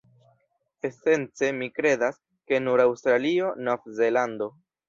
Esence mi kredas, ke nur Aŭstralio, Nov-Zelando